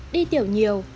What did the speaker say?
đi tiểu nhiều